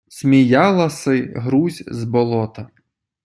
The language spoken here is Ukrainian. сміяласи грузь з болота